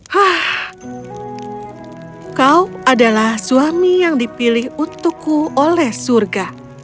hah kau adalah suami yang dipilih untukku oleh surga